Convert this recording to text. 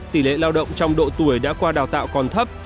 tỷ lệ lao động trong độ tuổi đã qua đào tạo còn thấp